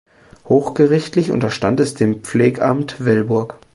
Hochgerichtlich unterstand es dem Pflegamt Velburg.